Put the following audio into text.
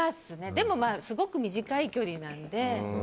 でも、すごく短い距離なので。